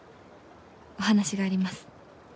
お話があります。